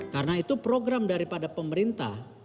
karena itu program daripada pemerintah